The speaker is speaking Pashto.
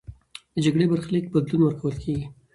د جګړې برخلیک بدلون ورکول کېږي.